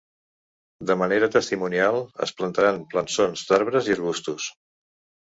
De manera testimonial, es plantaran plançons d’arbres i arbustos.